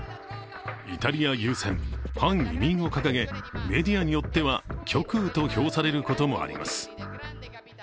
イタリア優先、反移民を掲げメディアによっては極右と評されることもあります。